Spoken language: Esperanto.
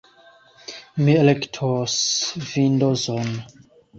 Mi elektos Vindozon.